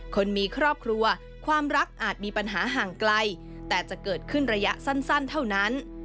คนมีครอบครัวความรักอาจมีปัญหาห่างไกลแต่จะเกิดขึ้นระยะสั้นเท่านั้น